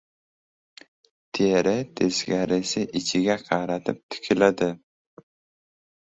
Teri teskarisi ichiga qaratib tikiladi.